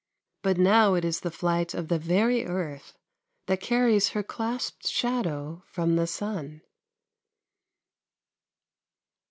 But now it is the flight of the very earth that carries her clasped shadow from the sun.